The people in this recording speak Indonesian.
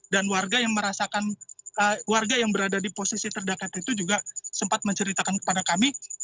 dan warga yang merasakan warga yang berada di posisi terdekat itu juga sempat menceritakan kepada kami